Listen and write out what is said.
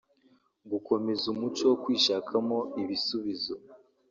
gukomeza umuco wo kwishakamo ibisubizo